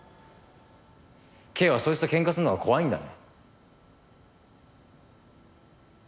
ケイはそいつと喧嘩すんのが怖いんだね？